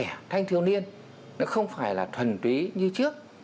những anh thiếu niên nó không phải là thuần túy như trước